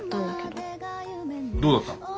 どうだった？